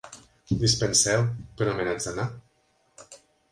Dispenseu, però me n'haig d'anar.